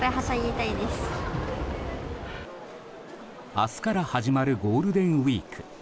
明日から始まるゴールデンウィーク。